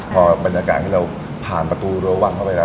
พอบรรยากาศที่เราผ่านประตูรั้ววังเข้าไปแล้ว